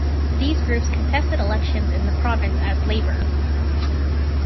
These groups contested elections in the province as "Labour".